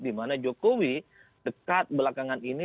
dimana jokowi dekat belakangan ini